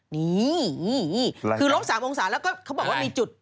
นี่คือลบ๓องศาแล้วก็เขาบอกว่ามีจุด